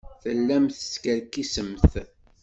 Tellamt teskerkisemt.